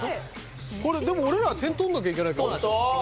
これでも俺らは点取らなきゃいけないから。